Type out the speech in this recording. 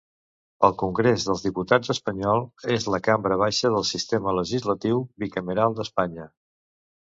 El Congrés dels Diputats espanyol és la cambra baixa del sistema legislatiu bicameral d'Espanya.